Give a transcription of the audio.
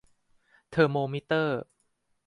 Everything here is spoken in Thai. เทอร์โมมิเตอร์